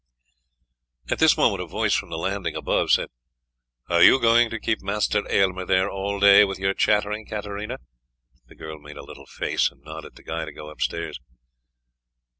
At this moment a voice from the landing above said: "Are you going to keep Master Aylmer there all day with your chattering, Katarina?" The girl made a little face and nodded to Guy to go upstairs.